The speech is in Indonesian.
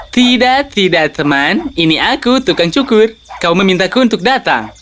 tidak tidak teman ini aku tukang cukur kau memintaku untuk datang